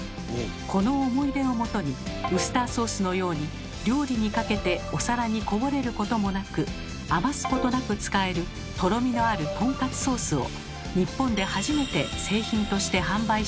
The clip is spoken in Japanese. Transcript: この思い出をもとにウスターソースのように料理にかけてお皿にこぼれることもなく余すことなく使えるとろみのあるとんかつソースを日本で初めて製品として販売したというのです。